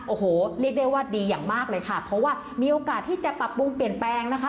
โอ้โหเรียกได้ว่าดีอย่างมากเลยค่ะเพราะว่ามีโอกาสที่จะปรับปรุงเปลี่ยนแปลงนะคะ